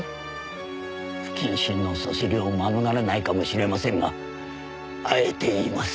不謹慎のそしりを免れないかもしれませんがあえて言います。